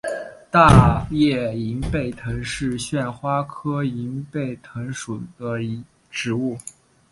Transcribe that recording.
大叶银背藤是旋花科银背藤属的植物。